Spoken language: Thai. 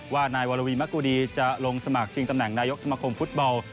ว่านายวรวีมะกูดีจะลงสมัครชิงตำแหน่งนายกสมคมฟุตบอล